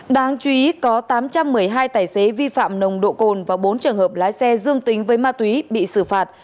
đáng chú ý có tám trăm một mươi hai tài xế vi phạm nồng độ cồn và bốn trường hợp lái xe dương tính với ma túy bị xử phạt